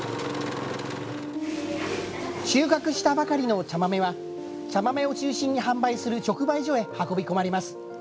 収穫したばかりの茶豆は茶豆を中心に販売する直売所へ運び込まれます。